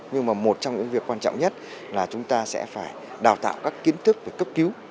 nhưng mà một trong những việc quan trọng nhất là chúng ta sẽ phải đào tạo các kiến thức về cấp cứu